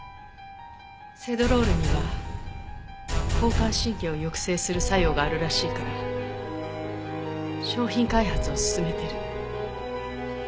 セドロールには交感神経を抑制する作用があるらしいから商品開発を進めてる。